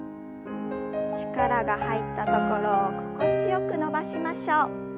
力が入ったところを心地よく伸ばしましょう。